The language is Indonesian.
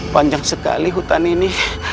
panjang sekali hutan ini